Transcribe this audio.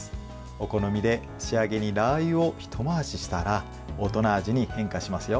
お好みで仕上げにラーユをひと回ししたら大人味に変化しますよ。